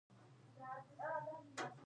داسې خبره دې نه کوي چې زړونه پرې ازارېږي.